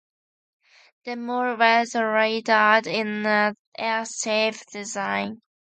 The mall was laid out in an "S" shape design.